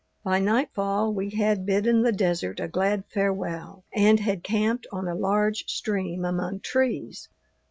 By nightfall we had bidden the desert a glad farewell, and had camped on a large stream among trees.